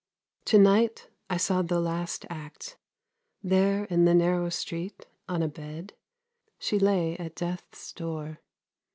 To night I saw the last act. There, in the narrow street, on a bed, she lay at death's door.